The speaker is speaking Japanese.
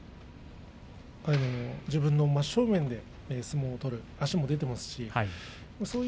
自分の真正面で相撲を取ると足も出ています。